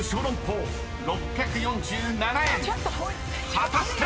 ［果たして⁉］